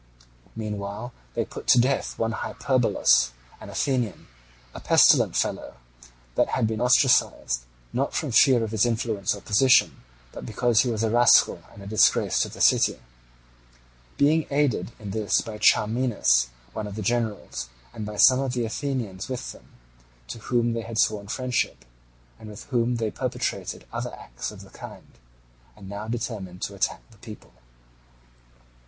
Meanwhile they put to death one Hyperbolus, an Athenian, a pestilent fellow that had been ostracized, not from fear of his influence or position, but because he was a rascal and a disgrace to the city; being aided in this by Charminus, one of the generals, and by some of the Athenians with them, to whom they had sworn friendship, and with whom they perpetrated other acts of the kind, and now determined to attack the people.